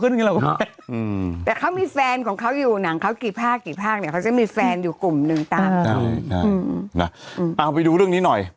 อืมแต่เขามีแฟนของเขาอยู่หนังเขากี่ภาคกี่ภาคเนี่ยเขาจะมีแฟนอยู่กลุ่มนึงตามเขาเอาไปดูเรื่องนี้หน่อย